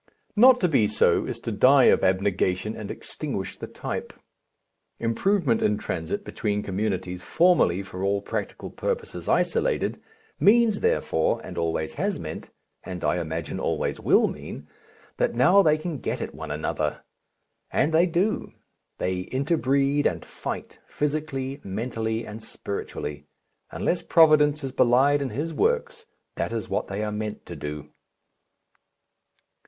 Not to be so, is to die of abnegation and extinguish the type. Improvement in transit between communities formerly for all practical purposes isolated, means, therefore, and always has meant, and I imagine, always will mean, that now they can get at one another. And they do. They inter breed and fight, physically, mentally, and spiritually. Unless Providence is belied in His works that is what they are meant to do.